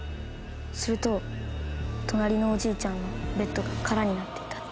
すると隣のおじいちゃんのベッドが空になってたって。